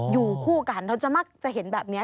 อยู่คู่กันเราจะมักจะเห็นแบบนี้